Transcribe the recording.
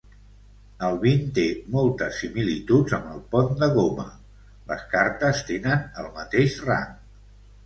El vint té moltes similituds amb el pont de goma: les cartes tenen el mateix rang.